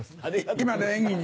今の演技に。